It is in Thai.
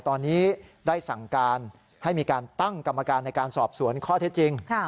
ตอนนี้ได้สั่งการให้มีการตั้งกรรมการในการสอบสวนข้อเท็จจริง